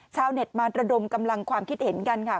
ชาวเน็ตมาระดมกำลังความคิดเห็นกันค่ะ